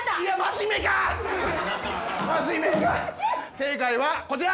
正解はこちら。